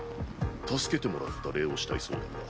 助けてもらった礼をしたいそうだが。